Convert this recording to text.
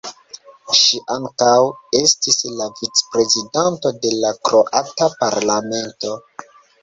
Ŝi ankaŭ estis la vicprezidanto de la Kroata Parlamento.